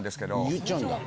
言っちゃうんだ。